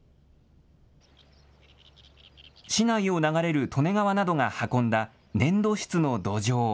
市内を流れる利根川などが運んだ粘土質の土壌。